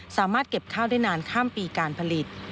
สามารถเก็บข้าวได้นานข้ามปีการผลิต